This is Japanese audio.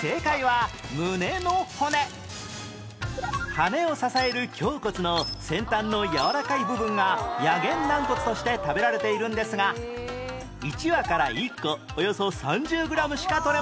羽を支える胸骨の先端のやわらかい部分がやげん軟骨として食べられているんですが１羽から１個およそ３０グラムしか取れません